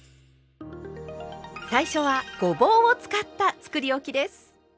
最初はごぼうを使ったつくりおきです。